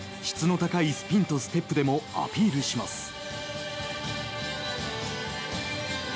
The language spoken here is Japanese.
質の高いスピンとステップでもアピールします。